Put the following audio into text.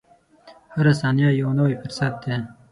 • هره ثانیه یو نوی فرصت دی.